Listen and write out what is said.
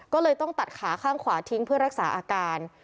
ก็เลยต้องตัดขาข้างขวาทิ้งเพื่อรักษาอาการ